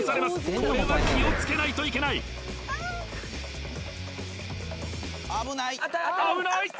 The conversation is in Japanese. これは気をつけないといけない危ない！